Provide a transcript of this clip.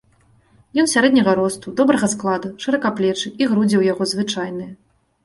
Ён сярэдняга росту, добрага складу, шыракаплечы, і грудзі ў яго звычайныя.